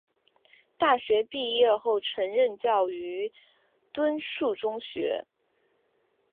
大学毕业后曾任教于敦叙中学。